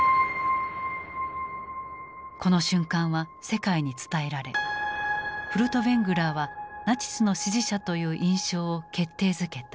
この瞬間は世界に伝えられフルトヴェングラーはナチスの支持者という印象を決定づけた。